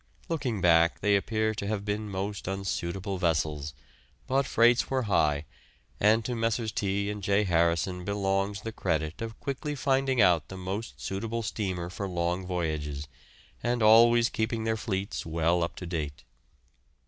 Looking back, they appear to have been most unsuitable vessels, but freights were high, and to Messrs. T. and J. Harrison belongs the credit of quickly finding out the most suitable steamer for long voyages, and always keeping their fleets well up to date.